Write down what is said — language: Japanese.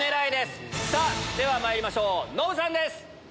まいりましょうノブさんです。